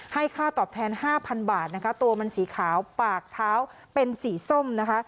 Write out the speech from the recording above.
ค่าตอบแทน๕๐๐บาทนะคะตัวมันสีขาวปากเท้าเป็นสีส้มนะคะ